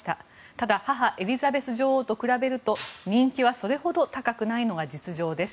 ただ、母・エリザベス女王と比べると人気はそれほど高くないのが実情です。